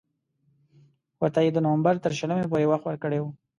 ورته یې د نومبر تر شلمې پورې وخت ورکړی وو.